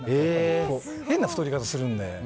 変な太り方するんで。